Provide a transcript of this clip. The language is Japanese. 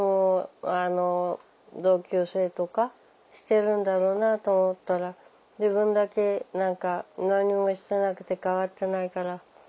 同級生とかしてるんだろうなと思ったら自分だけ何か何もしてなくて変わってないから。